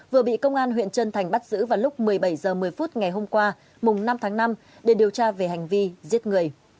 vừa bị công an huyện trân thành bắt giữ vào lúc một mươi bảy h một mươi phút ngày hôm qua năm tháng năm để điều tra về hành vi giết người